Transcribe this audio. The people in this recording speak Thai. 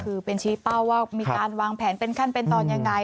คือเป็นชี้เป้าว่ามีการวางแผนเป็นขั้นเป็นตอนยังไง